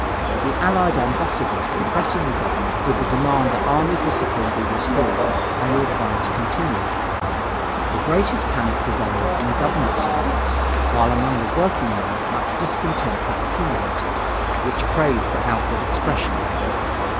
The allied ambassadors were pressing the government with the demand that army discipline be restored and the advance continued. The greatest panic prevailed in government circles, while among the workingmen much discontent had accumulated, which craved for outward expression.